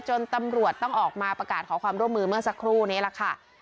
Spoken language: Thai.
ตำรวจต้องออกมาประกาศขอความร่วมมือเมื่อสักครู่นี้แหละค่ะ